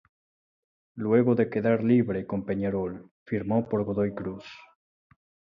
Luego de quedar libre con Peñarol, firmó por Godoy Cruz.